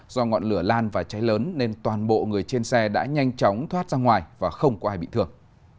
do ngọn lửa lan và cháy lớn nên toàn bộ người trên xe đã nhanh chóng thoát ra ngoài và không có ai bị thương